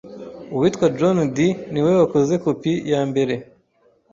uwitwa John dee niwe wakoze kopi ya mbere